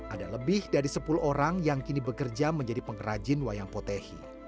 ada lebih dari sepuluh orang yang kini bekerja menjadi pengrajin wayang potehi